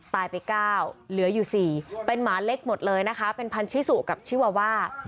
ตายไป๙เหลืออยู่๔เป็นหมาเล็กหมดเลยนะคะเป็นพันธิสุกับชิวาว่า